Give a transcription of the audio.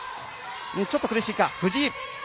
ちょっと苦しいか、藤井。